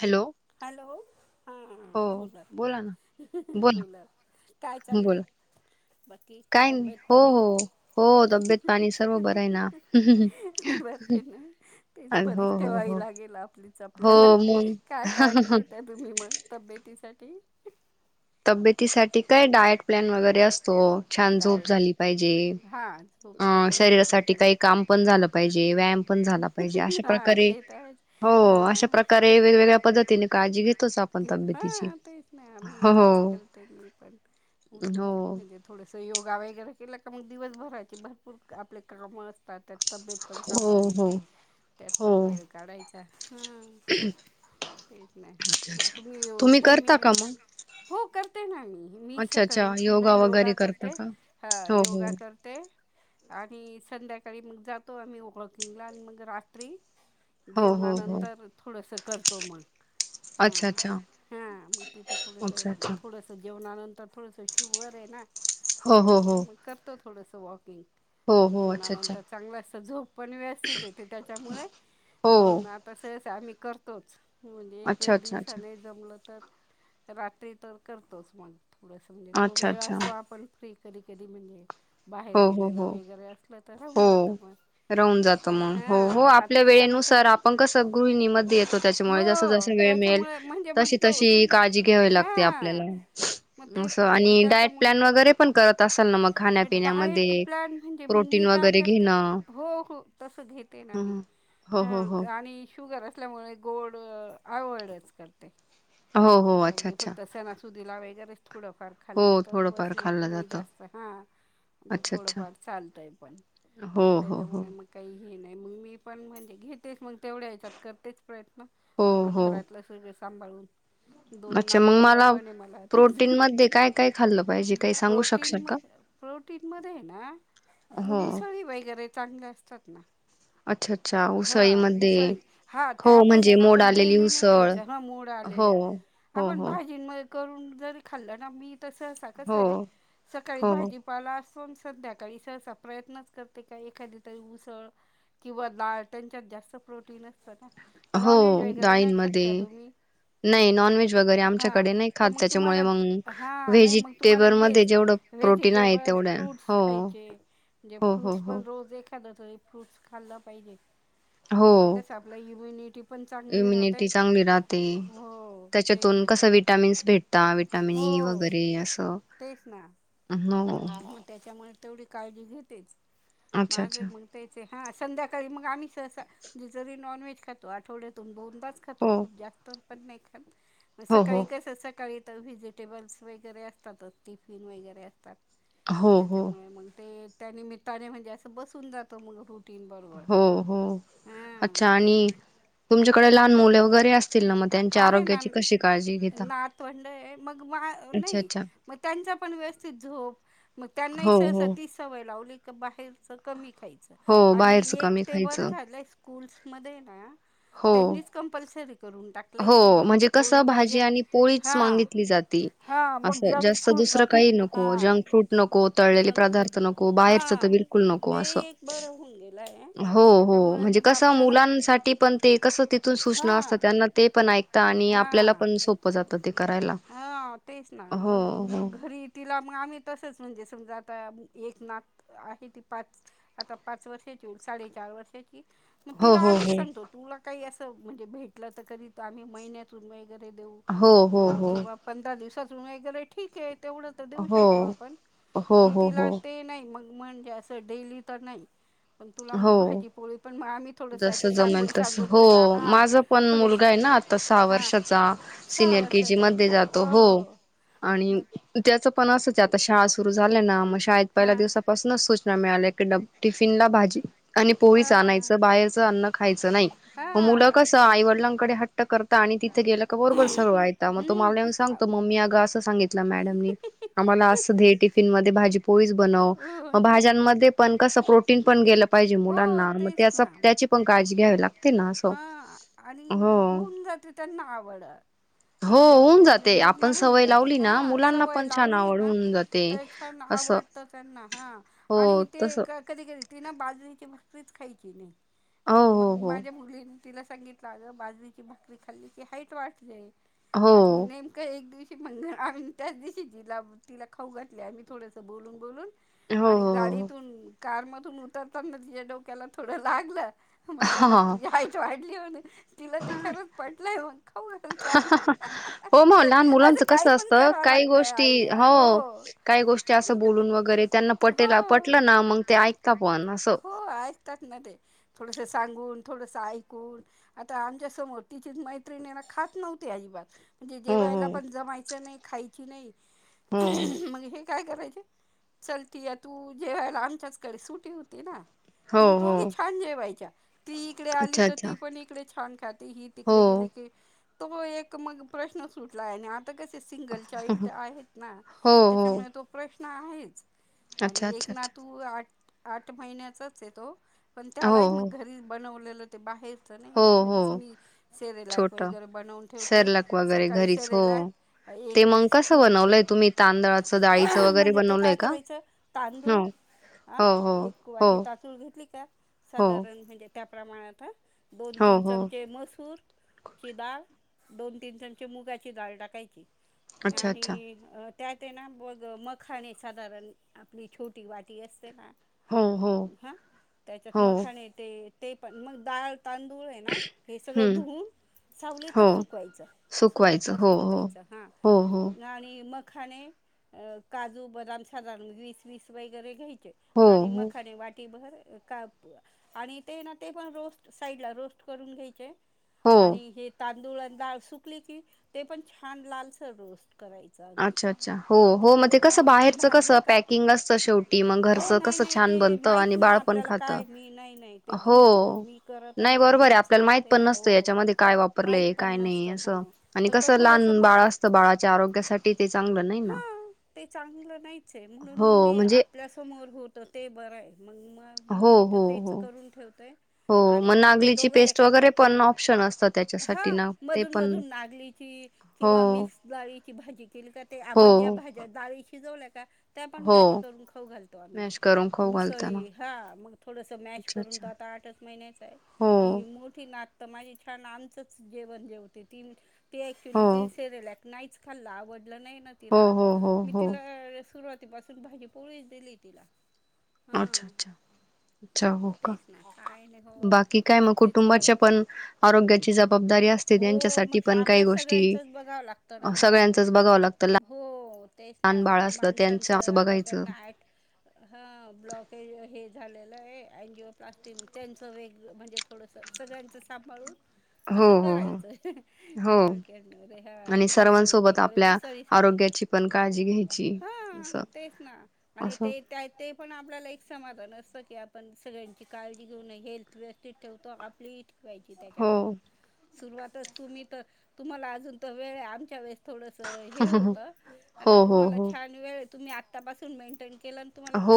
Hello hello हा हा बोला बोला काय चाललंय बाकी तब्येत पाणी बरीच ठेवायला लागेल आपलीच आपल्याला काय काळजी तुम्ही मग तब्येतीसाठी तब्येतीसाठी काय डायट प्लॅन वगैरे असतो छान झोप झाली पाहिजे हा झोप अ शरीरासाठी काही काम पण झालं पाहिजे व्यायाम पण झाला पाहिजे अशा प्रकारे हो हो अशा प्रकारे वेगवेगळ्या पद्धतीने काळजी घेतोच आपण तब्यतीची आम्ही तेच करते मी पण उठून थोडंसं योगा वगैरे केलं का मग दिवसभराचे भरपूर आपले कामं असतात त्यात तब्येत पण सांभाळायची त्यात पण वेळ काढायचा.. ह ते येत नाही तुम्ही फॅमिली हो करते ना मी मी सकाळी उठून ना योगा करते हा योगा करते [inaudible] आणि संध्याकाळी मग जातो आम्ही वॉकिंगला आणि मग रात्री जेवणानंतर थोडस करतो मग हा हा मग तिथं तर थोडस थोडच ं जेवणानंतर थोडंसं शुगर आहे ना त्याच्यामुळे मग करतो थोडसं वॉकिंग जेवणानंतर चांगलं असंतं झोप पण व्यवस्थित येते त्याच्यामुळे म्हणून आता सगळ आम्ही करतोच म्हणजे एक वेळेस दिवसाने जमलं तर रात्री तर करतोच मग थोडंस म्हणजे तो वेळ असतो आपण फ्री कधी कधी म्हणजे बाहेर गेलेला वगैरे असलं तर राहून जात मग. राहून जातो मग. हो हो. आपल्या वेळेनुसार आपण कसं गृहिणीमध्ये येतो त्याच्यामुळ जस जस वेळ मिळेल तशी तशी काळजी घ्यावी लागते आपल्याला. असं आणि डायट प्लॅन वगैरे पण करत असेल ना मग खा डायट प्लॅन! म्हणजे मग मी काय करते, हो हो. तस घेते ना मी. हो हो हो. शुगर असल्यामुळे गोड अवॉडच करते. अगदी फक्त सणासुदी ला वगैरेच थोडंफार. खाल्लं तर बस मग नाही जास्त हा. ते थोडंफार चालतय पण त्याच्यामुळे मग काही हे नाही मग मी पण म्हणजे घेतेच मग तेवढ्या या्याच्यात करतेच प्रयत्न. आपलं घरातलं तेजे सांभाळून दोन नातवंड पण आहे मला आता. प्रोटीन मध्ये प्रोटीनमध्ये ना उसळी वगैरे चांगले असतात ना. हा उसळी. हा त्या पण आहे ना पण डेली नाही खायच. मोड आलेल्या. आपण भाजींमध्ये करून जर खाल्लं ना. मी तस आता कस आहे. सकाळी भाजी फलासून सध्याकाळी इसळचा प्रयत्नच करते का एखादी तरी उसळ किंवा डाळ त्यांच्यात जास्त प्रोटीन असतं ना. नॉनव्हेज वगैरे नाही खात का तुम्ही? हा. तर मग तुम्हाला हा नाही मग तुम्हाला हेच व्हेजिटेबल फ्रूट्स खायचे म्हणजे फ्रूट्स पण रोजे कधीतरी फ्रुट्स खाल्लं पाहिजे. कसं आपलं इम्युनिटी इम्यनिटी चांगली राहते. त्याच्यातून कस विटॅमिन्स भेट ता. विटॅमिन ई वगैरे असं. तेच ना. म त्याच्यामुळे तेवढी काळजी घेतेच. माझ्या [unintelligible] संध्याकाळी. मग आम्ही सहसा जरी नॉन व्हेज खातो आठवड्यातून दोन खातो खूप जास्त पण नाही खात मग सकाळी कसं सकाळी तर व्हेजिटेबल्स वगैरे असतातच टिफिन वगैरे असतात. त्याच्यामुळे मग ते त्या निमित्ताने म्हणजे असं बसून जात मुलं हो हो. अच्छा! आणि तुमच्याकडे लहान मुले वगैरे असतील ना मग? त्यांच्या आरोग्याची कशी काळजी घेत? नातवंड आहे मग. मा नाही मग त्यांचा पण व्यवस्थित झोप मग त्यांनाही सहसा सवय लावली की बाहेरच कमी खायच, आणि एक ते बरं झालं स्कूल्समध्ये ना त्यांनीच कंपल्सरी करून टाक हो म्हणजे कस भाजी आणि पोळीच मागितली जाते असत दुसरं काही नको जंक फूड नको. तळलेले पदार्थ नको. बाहेरच तर बिलकुल नको असं. हो हो. म्हणजे कस मुलांसाठी पण ते कसं तिथून सूचना असतं. त्यांना ते पण ऐकत आणि आपल्याला पण सोपं जातं ते करायला. हा तेच ना. मग मग घरी तिला मग आम्ही तसंच म्हणजे समजा आता एक नात आहे ती पाच आता पाच वर्षाची होईल साडेचार वर्षाची. मग तिला आधीच सांगतो तुला काही असं म्हणजे भेटलं तर कधी तर आम्ही महिन्यातून वगैरे देऊ. हो अ किं बा पंधरा दिवसातम वगैरे ठीक आहे तेवढं देऊ शकतो आपण पण तिला ते नाही मगं म्हणजे अस डेली तर नाही पण तुला मग भाजी पोळी पण आम्ही जस जमेल तस हो माझा पण मुलगा आहे ना आता सहा वर्षाचा सिनियर के जी मधे जातो हो आणि त्याच पण अस की आता शाळा सुरू झाल्या ना मग शाळेत पहिल्या दिवसापासूनच सूचना मिळाल्या की ड टिफिन ला भाजी आणि पोळीच आणायचं बाहेरच अन्न खायचं नाही म मुलं कस आईवडिलांकडे हट्ट करता आणि तिथे गेल्या का बरोबर सगळ यता मग तो मावल्या सगतो मम्मी अगं असं सांगित मॅडमनी आम्हाला असं दे टिफिन मध्ये भाजी पोळी बनव मग भाज्यांमध्ये पण कस प्रोटीन पण गेलं पाहिजे मुलांना ह हा आणि होऊन जाते त्यांना आवड म्हणजे निर्मळ होऊन जाते हा सवय लावली ना तर छान आवड त त्यांना हा आणि ते कधी कधी ती ना बाजरीची भाकरीच खायची नाही तर मग माझ्या मुलीनी तिला सांगितलं अग बाजरीची भाकरी खाल्ली की हाईट वाढते. आणि नेम त्या एक दिवशी म्हणलं आम्ही त्याच दिवशी तिला तिला खाऊ घातली आम्ही थोडस बोलून बोलून आणि गाडीतून कारमधून उतरताना तिच्या डोक्याला थोडं लागलं म्हटलं बघ तुजी हाईट वाढली हो ना तिला ते खरंच पडलंय मग हो मग लहान मुलांचं कसं असतं काही गोष्टी हो काही गोष्टी असं बोलून वगैरे त्यांना पटेला पटलं ना मग ते ऐकता पण असं हो ऐकतात ना ते थोडंसं सांगून थोडंसं ऐकून आता आमच्या समोर तिचीच मैत्रीणीण खात नव्हती अजिबात म्हणजे जेवायला पण जमायचं नाही खायची नाही मग हे काय करायचे चलती या तू जेवायला आमच्याचकडे सुटी होती ना मग दोघी छान जेवायच्या ती इकडे आली तर ती पण इकडे छान खाते ही तिकडे गेली की तो मग एक मग प्रश्नच सुटला आहे ना आ आता कसे सिंगल चाइल्ड आहेत ना त्याच्यामुळे तो प्रश्नन आहेच. आणि एक नातू आठ आठ महिन्याचाच आहे तो पण त्यालाही मग घरी बनवलेलं ते बाहेरच नाही घरीच मी सेरेलॅकवगैरे बनवून ठेवते सकाळी सेरेलॅक बाई एक वेळेस फ्रूटच [unintelligible] म्हणजे ते काय करायचं तांदूळ आ एक वाटी तादुंळ घेतली का साधारण म्हणजे त्याप्रमाणे आता दोन, तीन चमचे मसूर ही डाळ दोन, तीन चमचे मुगाची डाळ टाकायची आणि त्यात है ना मग मखाने साधारण आपली छोटी वाटी असते ना हा त्याच्यात मखण ते ते पण मग डाळ तांदूळ आहेत आ हे सगळं धुवून सावलीतच सुकवायचं सुपात पसरून द्यायचं हा आणि मखाणे अ काजू, बदाम साधारण वीस वीस वगैरे घ्यायचे आणि मकाने वाटीभर काप आणि ते ना ते पण रोस्ट साईडला रोस्ट करून घ्यायचे आणि हे तांदूळ आणि डाळ सुकली की ते पण छान लालसं रोस्ट करायचे. अच्छा अच्छा हो हो मग ते कसं बाहेरचं कस पॅकिंग असतं शेवटी मग घरच कसं छान बनतं आणि बाळपण खात. हो नाही बरोबर आहे आपल्याला माहित पण नसतं याच्यामध्ये काय वापरलंय काय नाही असं आणि कसं लहान बाळ असतं बाळाच्या आरोग्यासाठी ते चांगलं नाही ना. चांगलं नाहीच आहे म्हणून मग मी आपल्या समोर होत ते बरं आहे मग मी तर तेच करून ठेवतेय. आणि मग ते दोघं एकत्र करत हा मधून मधून नागलीची किंवा मिक्स डाळीची भाजी केली का ते आपण ज्या भाज्या डाळी शिजवल्या का त्या पण मॅश करून खाऊ घालतो आम्ही. उसळी हा मग थोडस मॅश करून तो आता आठच महिन्याच आहे. ही मोठी नाात तर माझी छान आमच जेवण जेवते ती ती ऍक्च्युली ती सेरेल नाहीच खाल्ला आवडलं नाही ना तिला तिला सुरुवातीपासून भाजी पोळीच दिली तिला. अच्छा अच्छा अच्छा हो का बाकी काय मग कुटुंबाच्या पण आरोग्याची जबाबदारी असते त्यांच्यासाठी पण काही गोष्टी सगळ्यांचंच बघावं लागतं. हो तेच ना माणसांचं आता त्यांना हा ब्लॉकेज हे झालेलं आहे अनजिओ प्लास्टिक त्यांच वेग म्हणजे थोडस सगळ्यांचं सांभाळून असं करायचं शॉर्टकट मध्ये हा उसळी वगैरे उसळी संध्याकाळ काळजी घ्याय हा तेच ना आणि ते त्या ते पण आपल्याला एक समाधान असतं की आपण सगळ्यांची काळजी घेऊन हेल्थ व्यवस्थित ठेवतो आपली यची त्याच्याबरोबर सुरुवातच तुम्ही तर तुम्हाला अजून तर वेळ आमच्या वेळे थोडंसं हे होतं आता तुम्हाला छान वेळ तुम्ही आत्तापासून मेंटेन केलं हो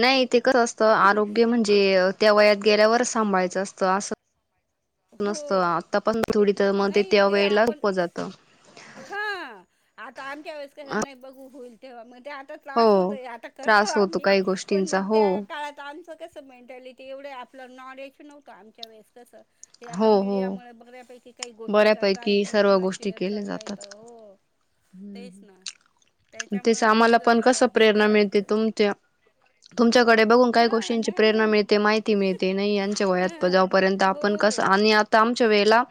नाही तेे कस असतं आरोग्य म्हणजे जे त्या वयात गेल्यावर सांभाळयचं असतं असं. नसत आतापाण थोडी तर मग ते त्या वेळेला सोप जातं. हा आता आमच्या वेळेस क नाही बघू होईल तेव्हा मग ते आता त्रास होतोय आता करतो आम्ही पण मग त्या काळात आमच कस मेंटलीटी ते एवढं आपलं नॉलेज नव्हतं आमच्या वेळेस कसं हे आता मीडिया मु बघऱ्यापैकी काही गोष्टी करताात एकमेकांना शेअर करत तायत हो तेच ना त्याच्यामुळे मग हे करायचंच. त्या तुमच्याकडे बघून काही गोष्टींची प्रेरणा मिळते माहिती मिळते नाही यांच्या वयात जाऊपर्यंत आ पण कस आणि आता आमच्या वेळेला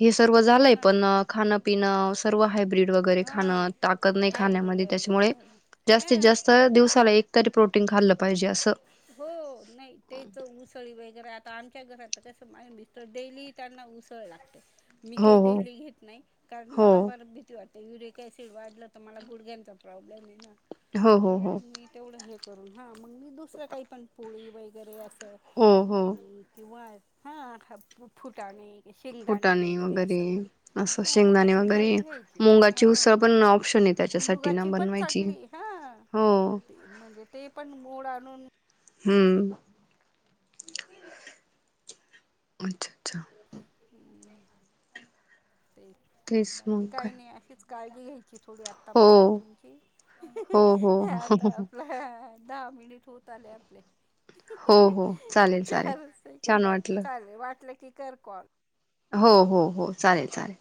हे सर्व झालंय पण खाण पिण सर्व ह र खाक नाही ख त्यामुळेतीत जास्त दिवसा ए तरी प्रोटीन खाल्लं पाहिजे असं हो नाही तेच उसळी वगैरे आता आमच्या घरात कसं मा मिस्टर डेली त्यांना उसळ लागतं मी काही डेली घेत नाही कारण मला बर भीती वाटते. तर युरिक सिड वाढलं तर मला गुडघ्यांचा प्रॉब्लेम आहेणार म्हणून मग मी तेवढं हे करून हां मग मी दुसरं काही पण पोळी वगैरे असं किंवा हा फू- फुटाणे शेंगदाणे वगैरे असं ह अशी काळजी घ्यायची हो. मुंग्यांची पणं चांगली हां म्हणजे ते पणं मोड आंणून हम्मं अच्छा हम्मं कांहीं नाहीं अशीचं काळंजी घ्यांयची थोडी आंत आनतापासूंन तुंमची आंता आपलं दहा मिनिटं होतं आले आपले चार सेकंद बाकी चालेल वाटलं की करं कॉल हो हो हो चालेलं चालेलं